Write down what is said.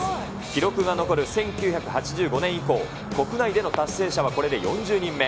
記録が残る１９８５年以降、国内での達成者はこれで４０人目。